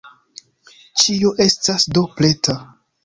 Ĉio estas do preta.